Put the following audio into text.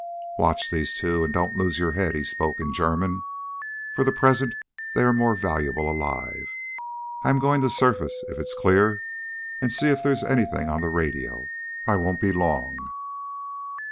"Watch these two, and don't lose your head," he spoke in German. "For the present they are more valuable alive. I am going to surface, if it's clear, and see if there is anything on the radio. I won't be long."